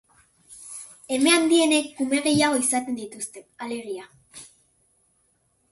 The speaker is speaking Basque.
Eme handienek kume gehiago izaten dituzte, alegia.